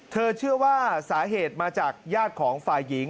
เชื่อว่าสาเหตุมาจากญาติของฝ่ายหญิง